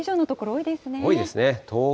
多いですね。